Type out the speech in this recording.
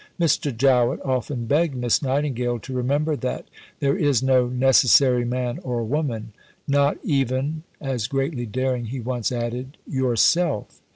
Mr. Jowett often begged Miss Nightingale to remember that "there is no necessary man or woman" "not even," as, greatly daring, he once added, "yourself."